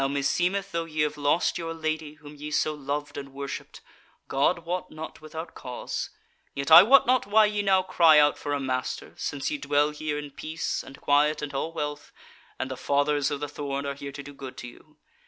Now meseemeth though ye have lost your Lady, whom ye so loved and worshipped, God wot not without cause, yet I wot not why ye now cry out for a master, since ye dwell here in peace and quiet and all wealth, and the Fathers of the Thorn are here to do good to you.